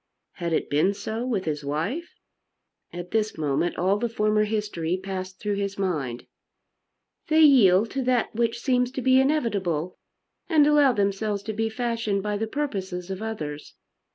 Had it been so with his wife? At this moment all the former history passed through his mind. "They yield to that which seems to be inevitable, and allow themselves to be fashioned by the purposes of others.